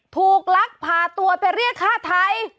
ถูกลักษณ์ผ่าตัวไปเรียกค่ะไทย